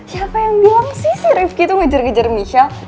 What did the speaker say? siapa yang bilang sih rifqi tuh ngejar ngejar michelle